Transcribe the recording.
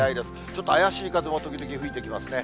ちょっと怪しい風も時々吹いてきますね。